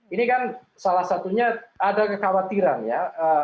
ini kan salah satunya ada kekhawatiran ya